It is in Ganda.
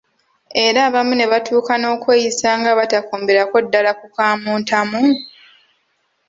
Era abamu ne batuuka n'okweyisa nga abatakomberako ddala ku ka muntamu?